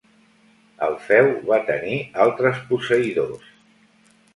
El feu va tenir altres posseïdors.